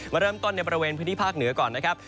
มาเริ่มต้นในบริเวณพื้นที่ภาคเหนือก่อนนะครับ